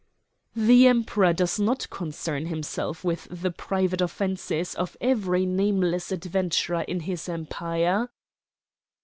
"The Emperor does not concern himself with the private offences of every nameless adventurer in his empire."